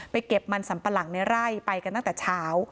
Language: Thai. เก็บมันสัมปะหลังในไร่ไปกันตั้งแต่เช้า